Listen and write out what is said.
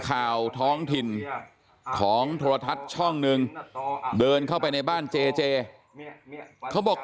ข่าวท้องถิ่นของโทรทัศน์ช่องหนึ่งเดินเข้าไปในบ้านเจเจเขาบอก